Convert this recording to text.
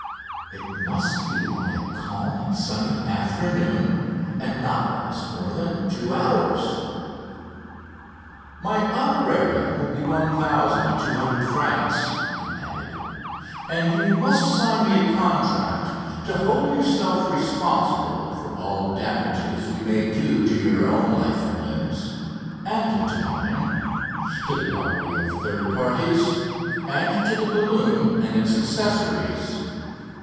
It must be on a calm, sunny afternoon, and not last more than two hours. "My honorarium will be 1200 francs," he added, "and you must sign me a contract to hold yourself responsible for all damages we may do to your own life and limbs and to mine, to the property of third parties, and to the balloon and its accessories.